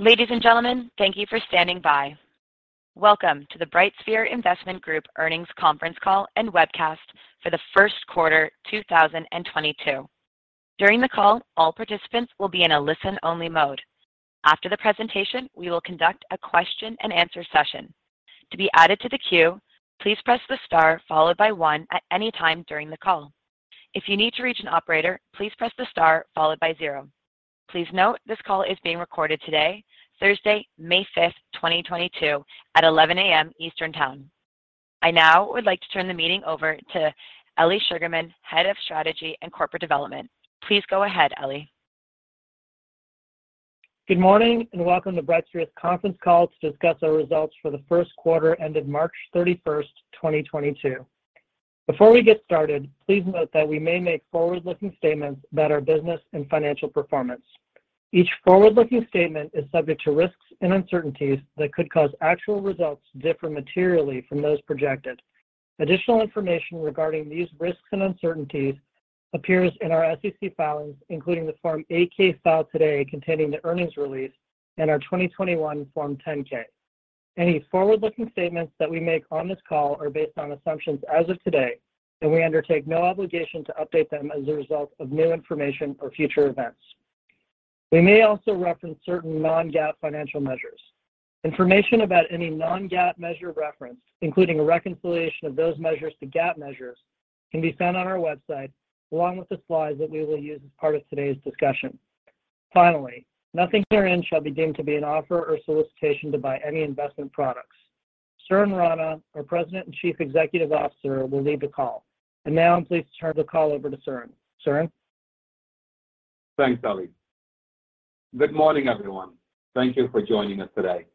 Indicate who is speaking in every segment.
Speaker 1: Ladies and gentlemen, thank you for standing by. Welcome to the BrightSphere Investment Group earnings conference call and webcast for the first quarter 2022. During the call, all participants will be in a listen-only mode. After the presentation, we will conduct a question and answer session. To be added to the queue, please press the star followed by one at any time during the call. If you need to reach an operator, please press the star followed by zero. Please note this call is being recorded today, Thursday, May 5th, 2022 at 11:00 A.M. Eastern Time. I now would like to turn the meeting over to Elie Sugarman, Head of Strategy and Corporate Development. Please go ahead, Elie.
Speaker 2: Good morning, and welcome to BrightSphere's Conference Call to discuss our results for the first quarter ended March 31st, 2022. Before we get started, please note that we may make forward-looking statements about our business and financial performance. Each forward-looking statement is subject to risks and uncertainties that could cause actual results to differ materially from those projected. Additional information regarding these risks and uncertainties appears in our SEC filings, including the Form 8-K filed today containing the earnings release and our 2021 Form 10-K. Any forward-looking statements that we make on this call are based on assumptions as of today, and we undertake no obligation to update them as a result of new information or future events. We may also reference certain non-GAAP financial measures. Information about any non-GAAP measure referenced, including a reconciliation of those measures to GAAP measures, can be found on our website, along with the slides that we will use as part of today's discussion. Finally, nothing herein shall be deemed to be an offer or solicitation to buy any investment products. Suren Rana, our President and Chief Executive Officer, will lead the call. Now I'm pleased to turn the call over to Suren. Suren?
Speaker 3: Thanks, Elie. Good morning, everyone. Thank you for joining us today.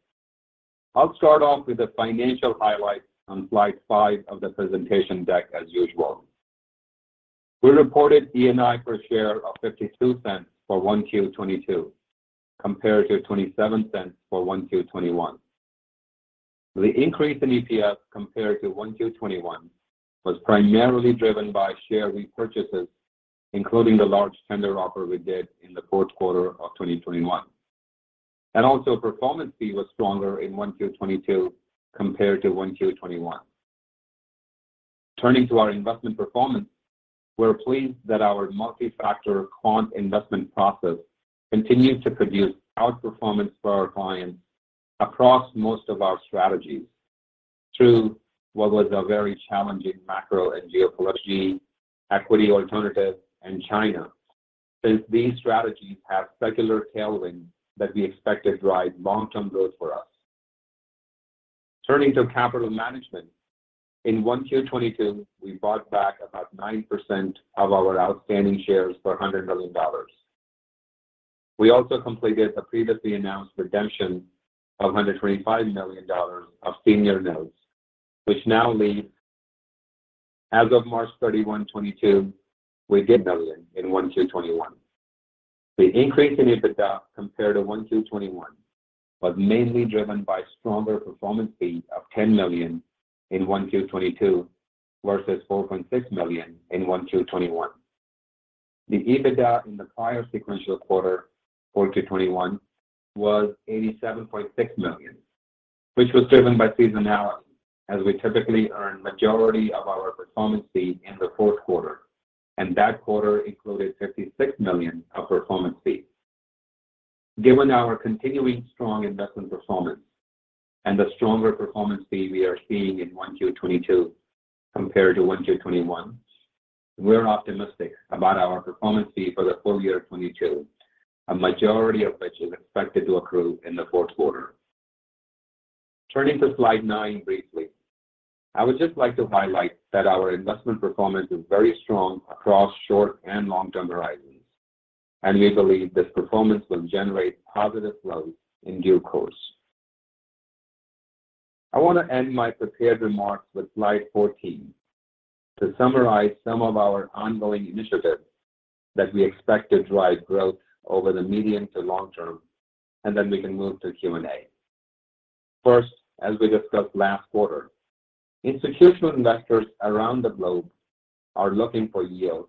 Speaker 3: I'll start off with the financial highlights on slide five of the presentation deck as usual. We reported ENI per share of $0.52 for Q1 2022 compared to $0.27 for Q1 2021. The increase in EPS compared to Q1 2021 was primarily driven by share repurchases, including the large tender offer we did in the fourth quarter of 2021. Also, performance fee was stronger in Q1 2022 compared to Q1 2021. Turning to our investment performance, we're pleased that our multi-factor quant investment process continued to produce outperformance for our clients across most of our strategies through what was a very challenging macro and geopolitical, equity alternatives, and China, and these strategies have secular tailwinds that we expect to drive long-term growth for us. Turning to capital management. In Q1 2022, we bought back about 9% of our outstanding shares for $100 million. We also completed the previously announced redemption of $125 million of senior notes, which now leaves. As of March 31, 2022, we did in Q1 2021. The increase in EBITDA compared to Q1 2021 was mainly driven by stronger performance fee of $10 million in Q1 2022 versus $4.6 million in Q1 2021. The EBITDA in the prior sequential quarter, Q4 2021, was $87.6 million, which was driven by seasonality, as we typically earn majority of our performance fee in the fourth quarter, and that quarter included $56 million of performance fees. Given our continuing strong investment performance and the stronger performance fee we are seeing in Q1 2022 compared to Q1 2021, we're optimistic about our performance fee for the full year 2022, a majority of which is expected to accrue in the fourth quarter. Turning to slide nine briefly. I would just like to highlight that our investment performance is very strong across short and long-term horizons, and we believe this performance will generate positive flows in due course. I wanna end my prepared remarks with slide 14 to summarize some of our ongoing initiatives that we expect to drive growth over the medium to long term, and then we can move to Q&A. First, as we discussed last quarter, institutional investors around the globe are looking for yield,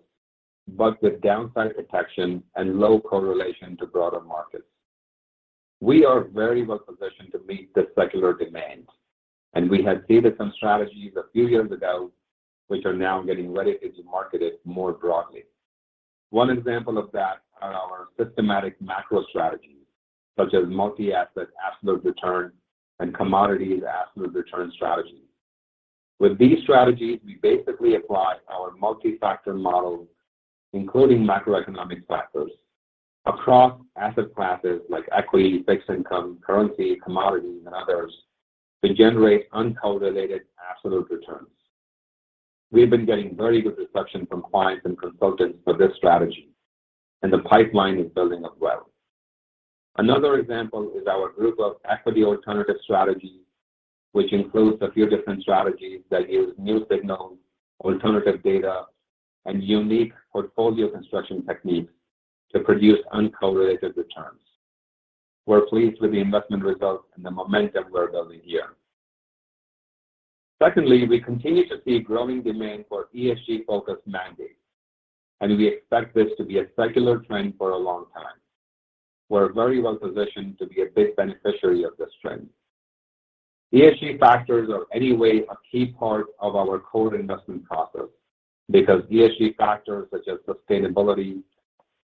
Speaker 3: but with downside protection and low correlation to broader markets. We are very well positioned to meet this secular demand, and we had seeded some strategies a few years ago which are now getting ready to be marketed more broadly. One example of that are our systematic macro strategies, such as Multi-Asset Absolute Return and commodities absolute return strategies. With these strategies, we basically apply our multi-factor model, including macroeconomic factors, across asset classes like equity, fixed income, currency, commodities, and others to generate uncorrelated absolute returns. We've been getting very good reception from clients and consultants for this strategy, and the pipeline is building up well. Another example is our group of equity alternative strategies, which includes a few different strategies that use new signals, alternative data, and unique portfolio construction techniques to produce uncorrelated returns. We're pleased with the investment results and the momentum we're building here. Secondly, we continue to see a growing demand for ESG-focused mandates, and we expect this to be a secular trend for a long time. We're very well positioned to be a big beneficiary of this trend. ESG factors are anyway a key part of our core investment process because ESG factors such as sustainability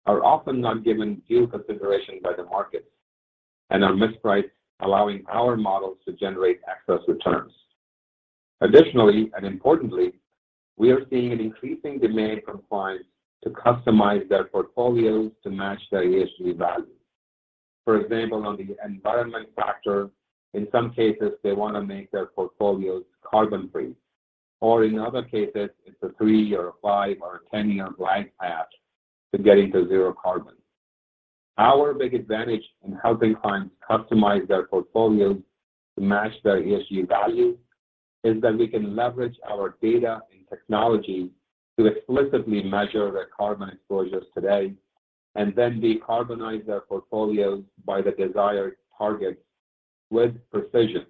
Speaker 3: are often not given due consideration by the markets and are mispriced, allowing our models to generate excess returns. Additionally, and importantly, we are seeing an increasing demand from clients to customize their portfolios to match their ESG values. For example, on the environment factor, in some cases, they want to make their portfolios carbon-free, or in other cases, it's a three or a five or a 10-year glide path to getting to zero carbon. Our big advantage in helping clients customize their portfolios to match their ESG values is that we can leverage our data and technology to explicitly measure their carbon exposures today and then decarbonize their portfolios by the desired targets with precision.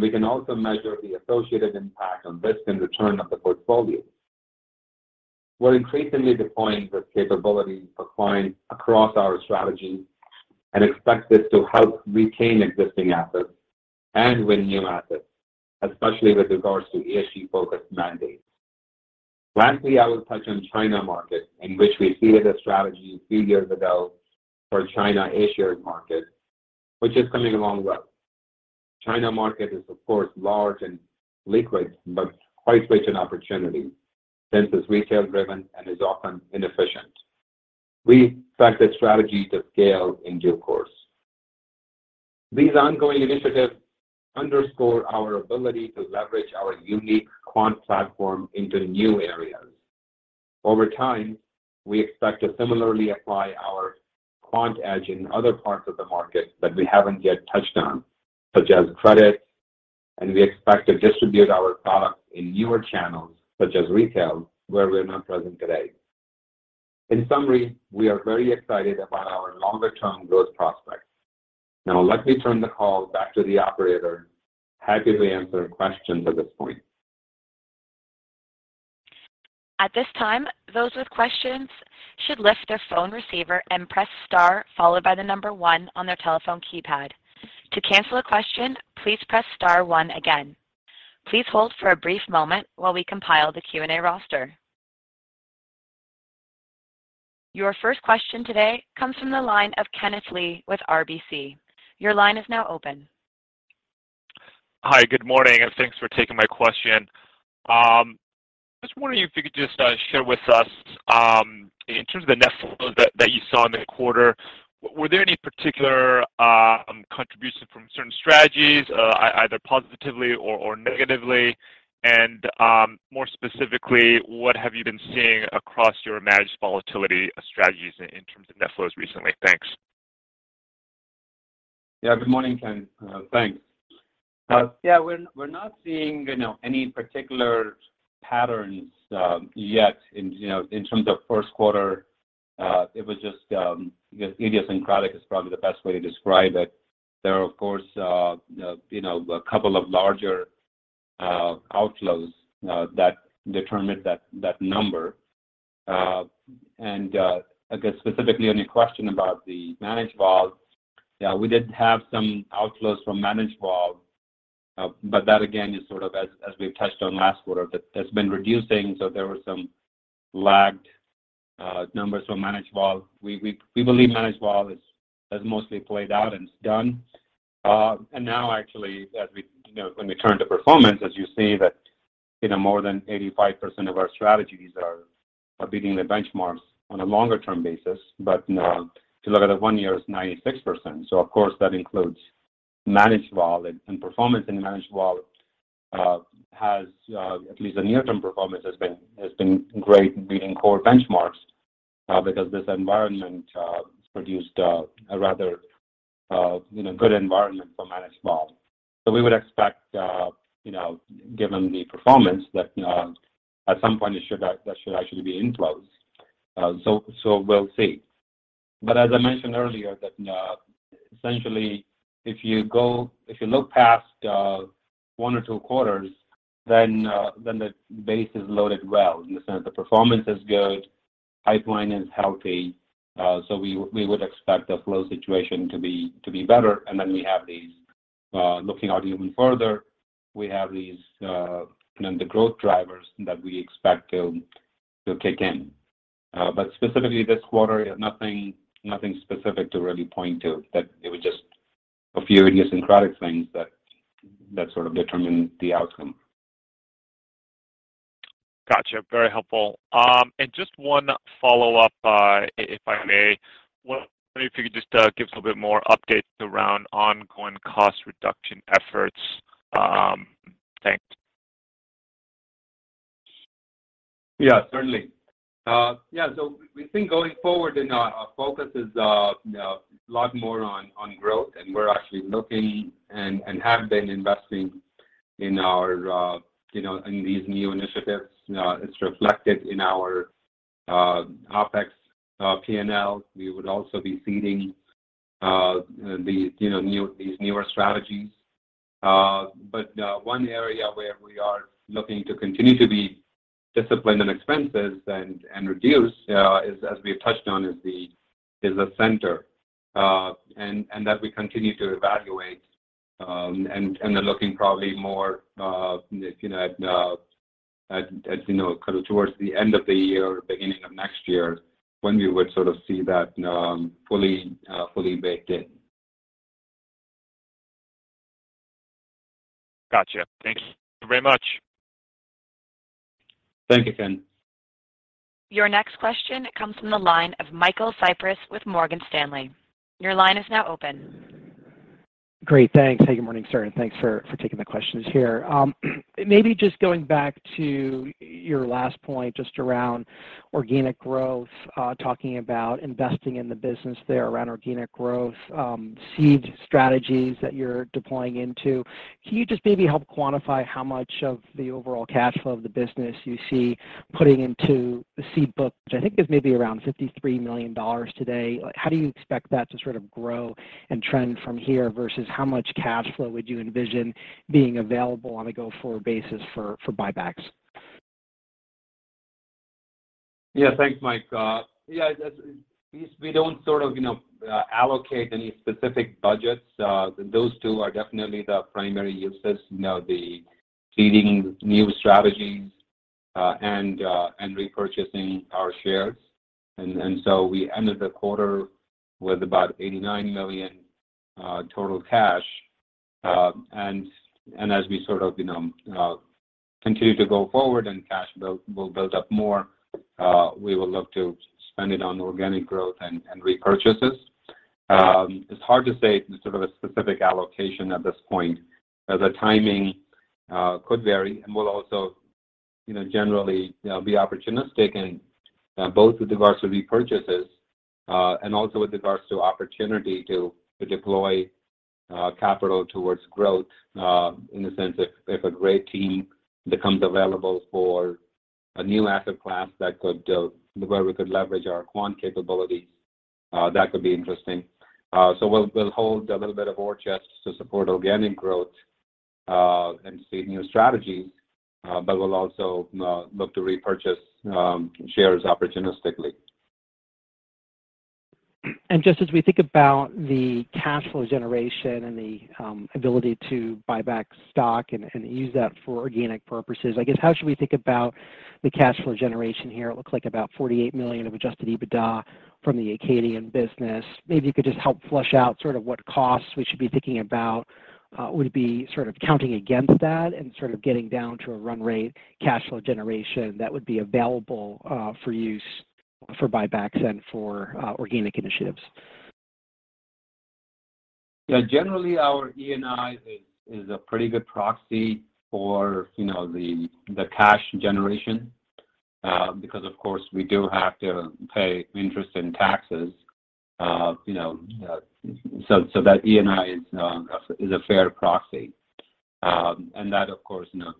Speaker 3: We can also measure the associated impact on risk and return of the portfolio. We're increasingly deploying this capability for clients across our strategies and expect this to help retain existing assets and win new assets, especially with regards to ESG-focused mandates. Lastly, I will touch on China market, in which we seeded a strategy a few years ago for China A Shares market, which is coming along well. China market is of course, large and liquid, but quite rich in opportunity since it's retail-driven and is often inefficient. We expect the strategy to scale in due course. These ongoing initiatives underscore our ability to leverage our unique quant platform into new areas. Over time, we expect to similarly apply our quant edge in other parts of the market that we haven't yet touched on, such as credit, and we expect to distribute our products in newer channels, such as retail, where we're not present today. In summary, we are very excited about our longer-term growth prospects. Now let me turn the call back to the operator, happy to answer questions at this point.
Speaker 1: At this time, those with questions should lift their phone receiver and press star followed by the number one on their telephone keypad. To cancel a question, please press star one again. Please hold for a brief moment while we compile the Q&A roster. Your first question today comes from the line of Kenneth Lee with RBC. Your line is now open.
Speaker 4: Hi, good morning, and thanks for taking my question. I was wondering if you could just share with us in terms of the net flows that you saw in the quarter, were there any particular contribution from certain strategies either positively or negatively? More specifically, what have you been seeing across your managed volatility strategies in terms of net flows recently? Thanks.
Speaker 3: Yeah. Good morning, Ken. Thanks. Yeah, we're not seeing, you know, any particular patterns yet in, you know, in terms of first quarter. It was just idiosyncratic, is probably the best way to describe it. There are, of course, you know, a couple of larger outflows that determined that number. I guess specifically on your question about the managed vol, yeah, we did have some outflows from managed vol, but that again is sort of as we've touched on last quarter, that has been reducing. There were some lagged numbers from managed vol. We believe managed vol is, has mostly played out and is done. Now actually, as we, you know, when we turn to performance, as you see that, you know, more than 85% of our strategies are beating their benchmarks on a longer-term basis. If you look at it one year, it's 96%. Of course, that includes managed vol. Performance in managed vol has been great, at least in the near term, beating core benchmarks, because this environment produced a rather, you know, good environment for managed vol. We would expect, you know, given the performance that at some point that should actually be inflows. So we'll see. As I mentioned earlier that essentially if you go... If you look past one or two quarters, then the base is loaded well in the sense the performance is good, pipeline is healthy, so we would expect the flow situation to be better. Then, looking out even further, we have these, you know, the growth drivers that we expect to kick in. Specifically this quarter, nothing specific to really point to, that it was just a few idiosyncratic things that sort of determined the outcome.
Speaker 4: Gotcha. Very helpful. Just one follow-up, if I may. Wondering if you could just give us a bit more updates around ongoing cost reduction efforts. Thanks.
Speaker 3: Yeah, certainly. Yeah. We think going forward our focus is, you know, a lot more on growth, and we're actually looking and have been investing in our, you know, in these new initiatives. It's reflected in our OpEx, P&L. We would also be seeding the, you know, new, these newer strategies. One area where we are looking to continue to be disciplined in expenses and reduce is, as we have touched on, the central, and that we continue to evaluate, and they're looking probably more, you know, at kind of towards the end of the year or beginning of next year when we would sort of see that fully baked in.
Speaker 4: Gotcha. Thanks very much.
Speaker 3: Thank you, Ken.
Speaker 1: Your next question comes from the line of Michael Cyprys with Morgan Stanley. Your line is now open.
Speaker 5: Great. Thanks. Hey, good morning, sir, and thanks for taking the questions here. Maybe just going back to your last point just around organic growth, talking about investing in the business there around organic growth, seed strategies that you're deploying into, can you just maybe help quantify how much of the overall cash flow of the business you see putting into the seed book, which I think is maybe around $53 million today? How do you expect that to sort of grow and trend from here versus how much cash flow would you envision being available on a go-forward basis for buybacks?
Speaker 3: Yeah. Thanks, Mike. Yeah, that's, we don't sort of, you know, allocate any specific budgets. Those two are definitely the primary uses, you know, the seeding new strategies and repurchasing our shares. We ended the quarter with about $89 million total cash. As we sort of, you know, continue to go forward as cash builds, it will build up more, we will look to spend it on organic growth and repurchases. It's hard to say sort of a specific allocation at this point. The timing could vary, and we'll also, you know, generally, you know, be opportunistic in both with regards to repurchases and also with regards to opportunity to deploy capital towards growth, in the sense if a great team becomes available for a new asset class that could build where we could leverage our quant capabilities, that could be interesting. We'll hold a little bit of war chest to support organic growth and seed new strategies, but we'll also look to repurchase shares opportunistically.
Speaker 5: Just as we think about the cash flow generation and the ability to buy back stock and use that for organic purposes, I guess, how should we think about the cash flow generation here? It looks like about $48 million of adjusted EBITDA from the Acadian business. Maybe you could just help flesh out sort of what costs we should be thinking about would be sort of counting against that and sort of getting down to a run rate cash flow generation that would be available for use for buybacks and for organic initiatives.
Speaker 3: Yeah. Generally, our ENI is a pretty good proxy for, you know, the cash generation, because of course we do have to pay interest and taxes, you know, so that ENI is a fair proxy. That of course, you know,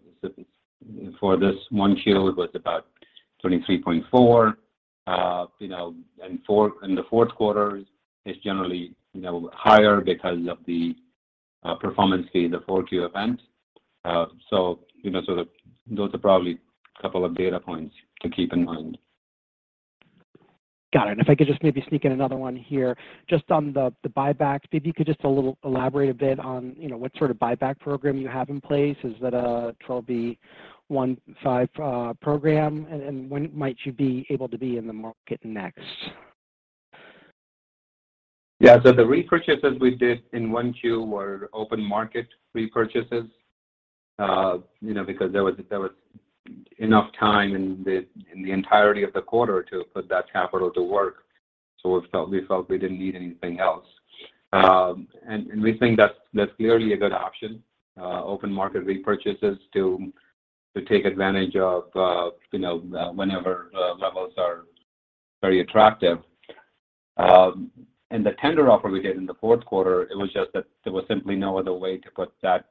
Speaker 3: for this Q1 was about $23.4. You know, the fourth quarter is generally, you know, higher because of the performance fee, the Q4 event. Those are probably a couple of data points to keep in mind.
Speaker 5: Got it. If I could just maybe sneak in another one here. Just on the buybacks, maybe you could just a little elaborate a bit on, you know, what sort of buyback program you have in place. Is that a 10b5-1 program, and when might you be able to be in the market next?
Speaker 3: Yeah. The repurchases we did in Q1 were open market repurchases, you know, because there was enough time in the entirety of the quarter to put that capital to work. We felt we didn't need anything else. We think that's clearly a good option, open market repurchases to take advantage of, you know, whenever levels are very attractive. The tender offer we did in the fourth quarter, it was just that there was simply no other way to put that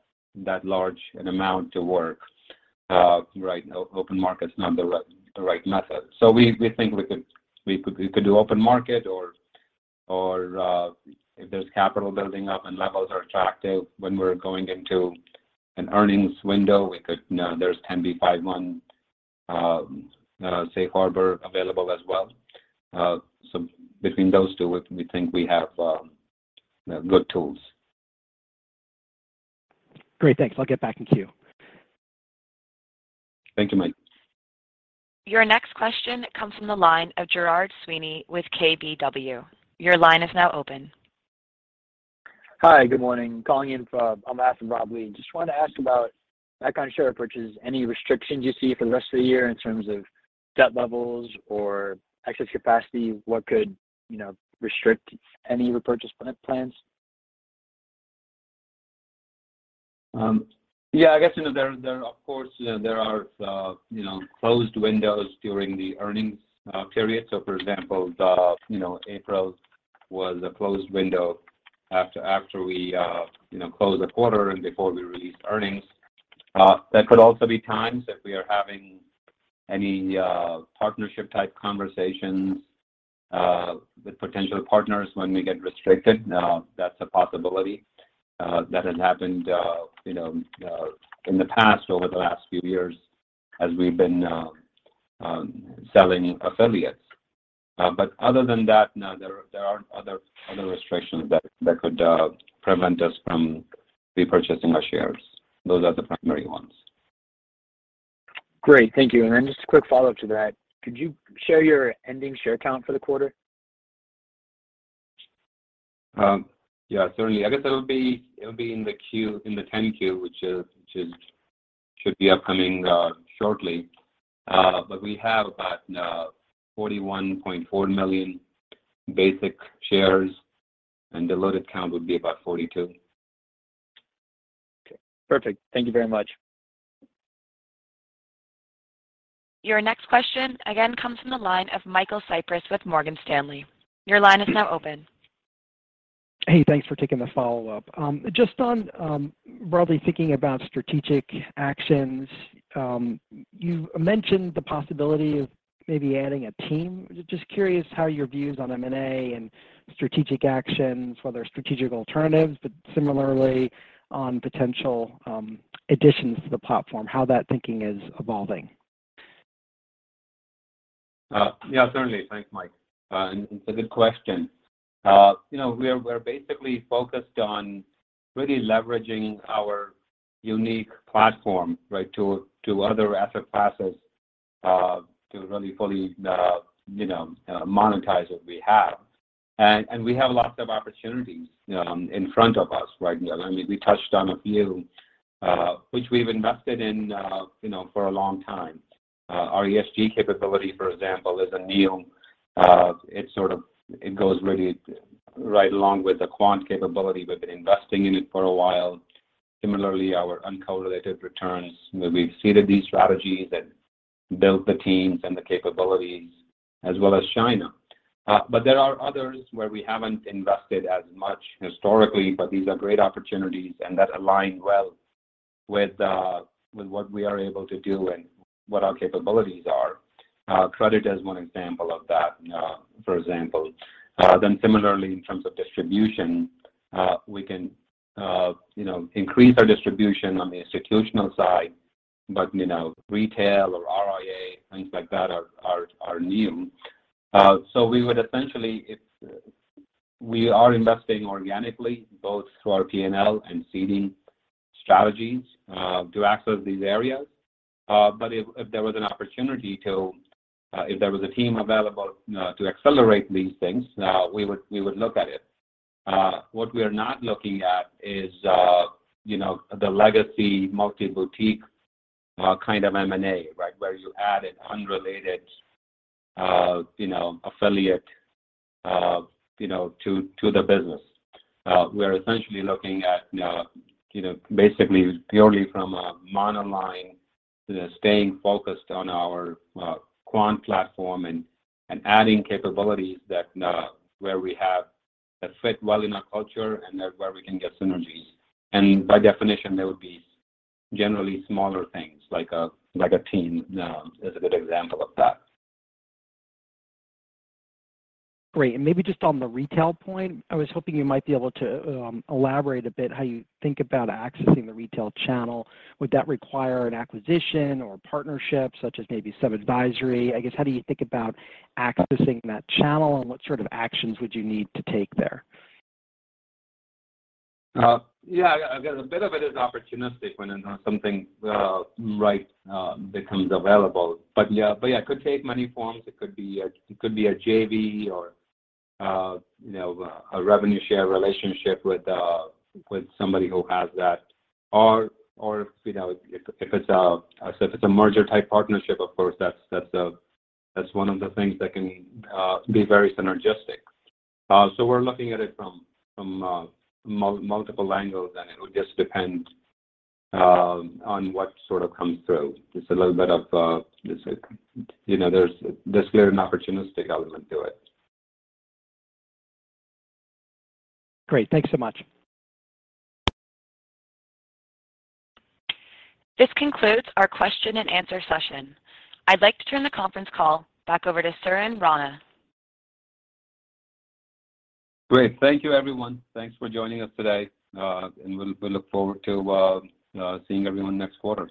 Speaker 3: large an amount to work. Right. Open market's not the right method. We think we could do open market or, if there's capital building up and levels are attractive when we're going into an earnings window, we could, there's 10b5-1 safe harbor available as well. Between those two, we think we have good tools.
Speaker 5: Great. Thanks. I'll get back in queue.
Speaker 3: Thank you, Mike.
Speaker 1: Your next question comes from the line of Girard Sweeney with KBW. Your line is now open.
Speaker 6: Hi. Good morning. Calling in for, on behalf of Robert Lee. Just wanted to ask about back on share repurchases. Any restrictions you see for the rest of the year in terms of debt levels or excess capacity? What could, you know, restrict any repurchase plans?
Speaker 3: Yeah, I guess, you know, there of course are closed windows during the earnings period. For example, April was a closed window after we closed the quarter and before we released earnings. There could also be times if we are having any partnership type conversations with potential partners when we get restricted. Now, that's a possibility that has happened, you know, in the past, over the last few years as we've been selling affiliates. But other than that, no, there aren't other restrictions that could prevent us from repurchasing our shares. Those are the primary ones.
Speaker 6: Great. Thank you. Just a quick follow-up to that. Could you share your ending share count for the quarter?
Speaker 3: Yeah, certainly. I guess it'll be in the 10-Q, which should be upcoming shortly. We have about 41.4 million basic shares, and the loaded count would be about 42.
Speaker 6: Perfect. Thank you very much.
Speaker 1: Your next question again comes from the line of Michael Cyprys with Morgan Stanley. Your line is now open.
Speaker 5: Hey, thanks for taking the follow-up. Just on, broadly thinking about strategic actions, you mentioned the possibility of maybe adding a team. Just curious how your views on M&A and strategic actions, whether strategic alternatives, but similarly on potential, additions to the platform, how that thinking is evolving.
Speaker 3: Yeah, certainly. Thanks, Mike. It's a good question. You know, we're basically focused on really leveraging our unique platform, right, to other asset classes, to really fully, you know, monetize what we have. We have lots of opportunities, you know, in front of us right now. I mean, we touched on a few, which we've invested in, you know, for a long time. Our ESG capability, for example, is new. It sort of goes really right along with the quant capability. We've been investing in it for a while. Similarly, our uncorrelated returns, where we've seeded these strategies and built the teams and the capabilities, as well as China. There are others where we haven't invested as much historically, but these are great opportunities, and that align well with what we are able to do and what our capabilities are. Credit is one example of that, for example. Similarly, in terms of distribution, we can, you know, increase our distribution on the institutional side, but, you know, retail or RIA, things like that are new. We are investing organically, both through our P&L and seeding strategies, to access these areas. If there was an opportunity to, if there was a team available, to accelerate these things, we would look at it. What we are not looking at is, you know, the legacy multi-boutique, kind of M&A, right? Where you add an unrelated, you know, affiliate, you know, to the business. We're essentially looking at, you know, basically purely from a monoline, staying focused on our quant platform and adding capabilities that, where we have that fit well in our culture and where we can get synergies. By definition, they would be generally smaller things like a team is a good example of that.
Speaker 5: Great. Maybe just on the retail point, I was hoping you might be able to elaborate a bit how you think about accessing the retail channel. Would that require an acquisition or partnership, such as maybe sub-advisory? I guess, how do you think about accessing that channel, and what sort of actions would you need to take there?
Speaker 3: Yeah, I guess a bit of it is opportunistic when something, right, becomes available. Yeah, it could take many forms. It could be a JV or, you know, a revenue share relationship with somebody who has that or, you know, if it's a merger type partnership, of course, that's one of the things that can be very synergistic. We're looking at it from multiple angles, and it would just depend on what sort of comes through. There's a little bit of, you know, clearly an opportunistic element to it.
Speaker 5: Great. Thanks so much.
Speaker 1: This concludes our question and answer session. I'd like to turn the conference call back over to Suren Rana.
Speaker 3: Great. Thank you, everyone. Thanks for joining us today. We look forward to seeing everyone next quarter.